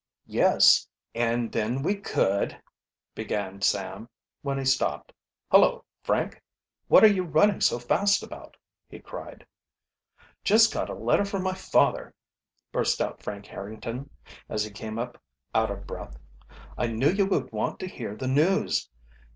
"Yes, and then we could " began Sam, when he stopped. "Hullo, Frank, what are, you running so fast about?" he cried. "Just got a letter from my father!" burst out Frank Harrington, as he came up out of breath. "I knew you would want to hear the news.